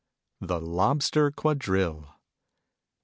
THE LOBSTER QUADRILLE.